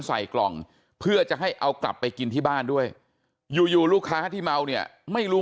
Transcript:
ใส่กล่องเพื่อจะให้เอากลับไปกินที่บ้านด้วยอยู่อยู่ลูกค้าที่เมาเนี่ยไม่รู้